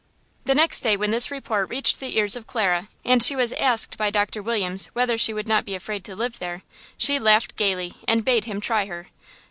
The next day when this report reached the ears of Clara, and she was asked by Doctor Williams whether she would not be afraid to live there, she laughed gaily and bade him try her.